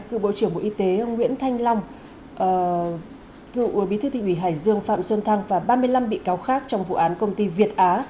cựu bộ trưởng bộ y tế nguyễn thanh long cựu bí thư thị ủy hải dương phạm xuân thăng và ba mươi năm bị cáo khác trong vụ án công ty việt á